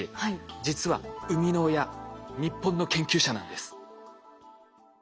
実は生みの親日本の研究者なんです。